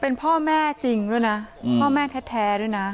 เป็นพ่อแม่จริงด้วยนะพ่อแม่แท้ด้วยนะ